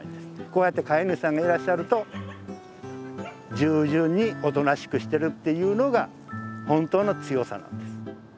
こうやって飼い主さんがいらっしゃると従順におとなしくしてるっていうのが本当の強さなんです。